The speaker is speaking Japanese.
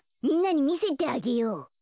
みんなにみせてあげよう。